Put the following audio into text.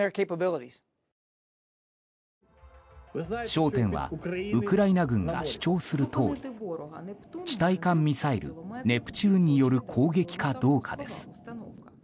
焦点はウクライナ軍が主張するとおり地対艦ミサイルネプチューンによる攻撃かどうかです。